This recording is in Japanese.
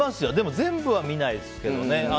全部は見ないですけどね。